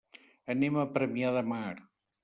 Anem a Premià de Mar.